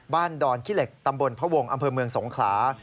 ดอนขี้เหล็กตำบลพระวงศ์อำเภอเมืองสงขลา